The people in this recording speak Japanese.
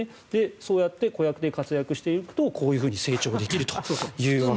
そうやって子役で活躍していくとこういうふうに成長できるというわけです。